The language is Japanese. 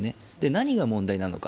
何が問題なのか。